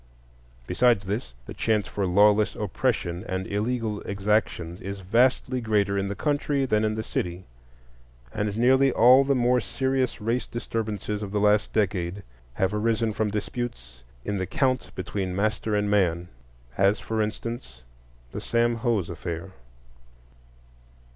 Besides this, the chance for lawless oppression and illegal exactions is vastly greater in the country than in the city, and nearly all the more serious race disturbances of the last decade have arisen from disputes in the county between master and man,—as, for instance, the Sam Hose affair.